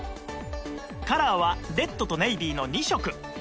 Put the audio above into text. カラーはレッドとネイビーの２色